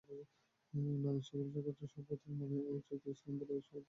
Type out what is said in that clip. অন্যান্য সকল শাখার সভ্যদের উচিত এই কেন্দ্রের সহিত একযোগে ও নিয়মানুসারে কার্য করা।